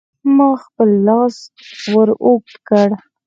ما خپل لاس ور اوږد کړ.